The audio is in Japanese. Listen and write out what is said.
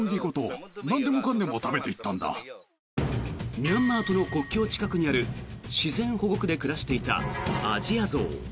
ミャンマーとの国境近くにある自然保護区で暮らしていたアジアゾウ。